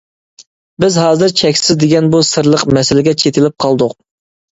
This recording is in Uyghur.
بىز ھازىر «چەكسىز» دېگەن بۇ سىرلىق مەسىلىگە چېتىلىپ قالدۇق.